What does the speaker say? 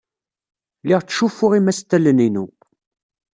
Lliɣ ttcuffuɣ imastalen-inu.